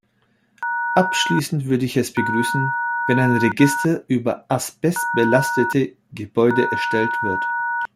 Abschließend würde ich es begrüßen, wenn ein Register über asbestbelastete Gebäude erstellt wird.